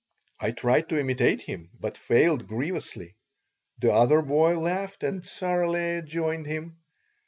I tried to imitate him, but failed grievously. The other boy laughed and Sarah Leah joined him.